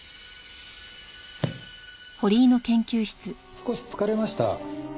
少し疲れました。